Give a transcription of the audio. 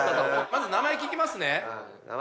まず名前聞きますね。